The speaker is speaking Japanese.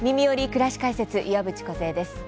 くらし解説」岩渕梢です。